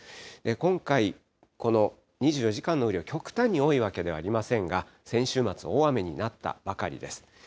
今回、この２４時間の雨量、極端に多いわけではありませんが、先週末、大雨になったばかりです。